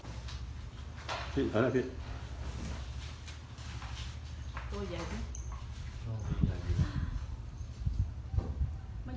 ตอนนี้ก็ไม่มีเวลาให้กลับไปแต่ตอนนี้ก็ไม่มีเวลาให้กลับไป